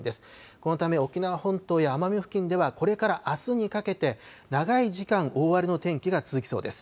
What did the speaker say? このため沖縄本島や奄美付近では、これからあすにかけて、長い時間、大荒れの天気が続きそうです。